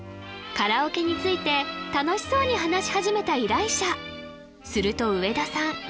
カラオケについて楽しそうに話し始めた依頼者すると植田さん